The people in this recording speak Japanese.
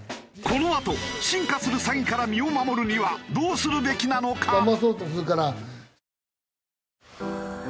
このあと進化する詐欺から身を守るにはどうするべきなのか？